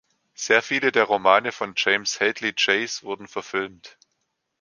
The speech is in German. Sehr viele der Romane von James Hadley Chase wurden verfilmt.